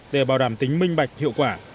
để bảo đảm tính minh bạch hiệu quả